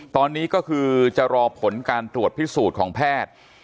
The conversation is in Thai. ตอนนี้ก็คือจะรอผลการตรวจพิสูจน์ของแพทย์